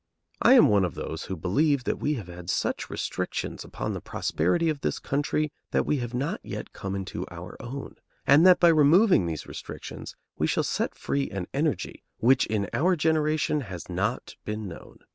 I am one of those who believe that we have had such restrictions upon the prosperity of this country that we have not yet come into our own, and that by removing those restrictions we shall set free an energy which in our generation has not been known.